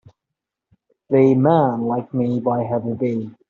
Play Man Like Me by heather b.